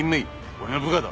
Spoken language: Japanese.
俺の部下だ。